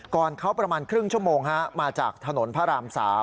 ก่อนเขาประมาณครึ่งชั่วโมงมาจากถนนพระราม๓